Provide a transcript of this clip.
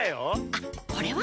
あっこれは？